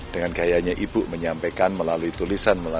dengan gayanya ibu menyampaikan melalui tulisan